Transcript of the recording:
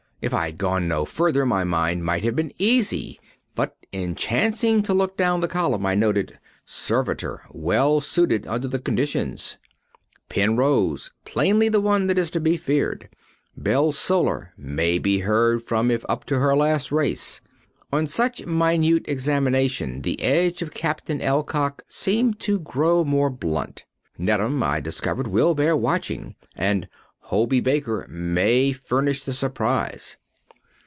If I had gone no further, my mind might have been easy, but in chancing to look down the column I noted, "Servitor Well suited under the conditions"; "Pen Rose Plainly the one that is to be feared"; "Bellsolar May be heard from if up to her last race." On such minute examination the edge of Captain Alcock seemed to grow more blunt. "Neddam," I discovered, "will bear watching," and "Hobey Baker may furnish the surprise."